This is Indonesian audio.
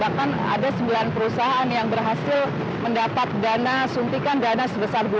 bahkan ada sembilan perusahaan yang berhasil mendapat dana suntikan dana sebesar dua puluh lima juta usd